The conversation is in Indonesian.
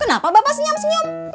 kenapa bapak senyum senyum